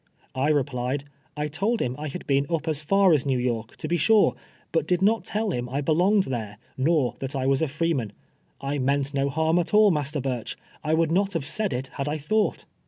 r replied, " I told him I had been up as far as l^ew York, to be sure, but did not tell him I belonged there, nor that I was a freeman. I meant no harm at all. Master Burch. I Avould not ha\e said it had I thought."